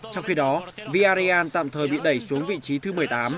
trong khi đó villarreal tạm thời bị đẩy xuống vị trí thứ một mươi tám